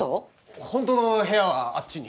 ホントの部屋はあっちに。